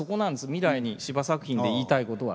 未来に司馬作品で言いたいことは。